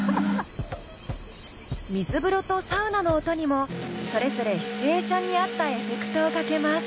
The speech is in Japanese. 「水風呂」と「サウナ」の音にもそれぞれシチュエーションに合ったエフェクトをかけます。